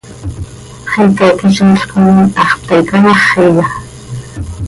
¿Xicaquiziil coi iihax pte cayáxiya?